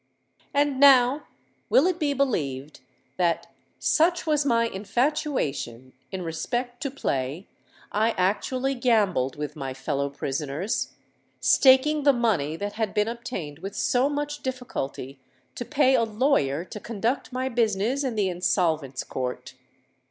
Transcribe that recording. "And now—will it be believed that, such was my infatuation in respect to play, I actually gambled with my fellow prisoners—staking the money that had been obtained with so much difficulty to pay a lawyer to conduct my business in the Insolvents' Court!